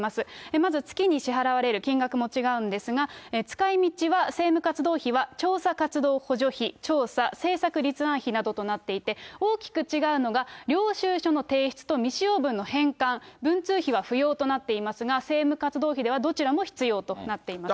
まず月に支払われる金額も違うんですが、使いみちは政務活動費は調査活動補助費、調査・政策立案費などとなっていて、大きく違うのが、領収書の提出と未使用分の返還、文通費は不要となっていますが、政務活動費ではどちらも必要となっています。